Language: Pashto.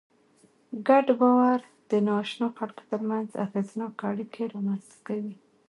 ګډ باور د ناآشنا خلکو تر منځ اغېزناکه اړیکې رامنځ ته کوي.